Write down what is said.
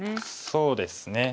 そうですね。